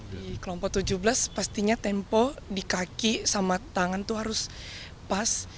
di kelompok tujuh belas pastinya tempo di kaki sama tangan itu harus pas